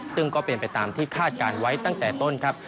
ซึ่งก็เป็นไปตามที่คาดการณ์ไว้ตั้งแต่ต้นครับ